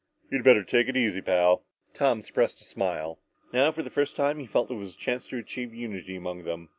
"You'd better take it easy, pal." Tom suppressed a smile. Now, for the first time, he felt that there was a chance to achieve unity among them.